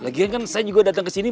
lagian kan saya juga datang kesini